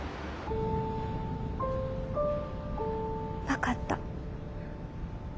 分かった。